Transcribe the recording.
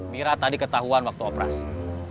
mira tadi ketahuan waktu operasi